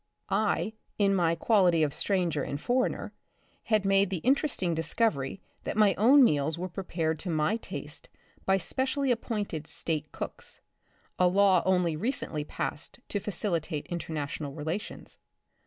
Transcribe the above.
I, in my quality of stranger and foreigner, had made the interesting discovery that my own meals were prepared to my taste by specially appointed State cooks — a law only recently passed to facilitate international relations.